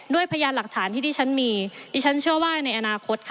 พยานหลักฐานที่ที่ฉันมีดิฉันเชื่อว่าในอนาคตค่ะ